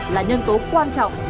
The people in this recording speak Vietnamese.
là nhân tố quan trọng